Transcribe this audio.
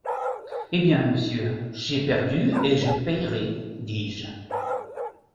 Eh bien, monsieur, j'ai perdu et je payerai, dis-je.